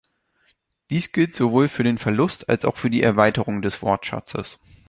Dies gilt sowohl für den Verlust als auch für die Erweiterung des Wortschatzes.